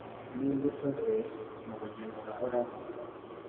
n'imbuto ze mu bugingo buhoraho.